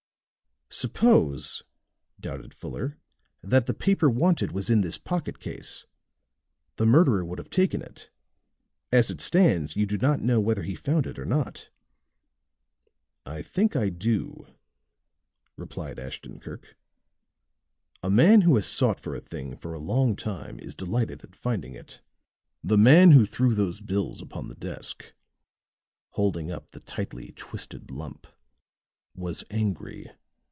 "Suppose," doubted Fuller, "that the paper wanted was in this pocket case. The murderer would have taken it. As it stands, you do not know whether he found it or not." "I think I do," replied Ashton Kirk. "A man who has sought for a thing for a long time is delighted at finding it. The man who threw those bills upon the desk," holding up the tightly twisted lump, "was angry.